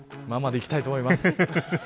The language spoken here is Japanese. ままでいきたいと思います。